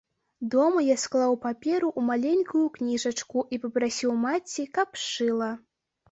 Дома я склаў паперу ў маленькую кніжачку і папрасіў маці, каб сшыла.